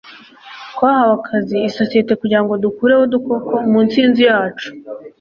twahaye akazi isosiyete kugirango dukureho udukoko munsi yinzu yacu